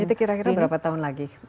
jadi kira kira berapa tahun lagi